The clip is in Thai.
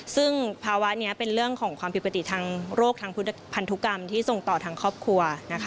ซึ่งภาวะนี้เป็นเรื่องของความผิดปกติทางโรคทางพันธุกรรมที่ส่งต่อทางครอบครัวนะคะ